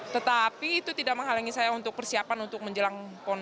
tetapi itu tidak menghalangi saya untuk persiapan untuk menjelang pon dua ribu enam belas